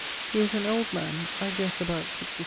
He was an old man; I guesse about 66 +.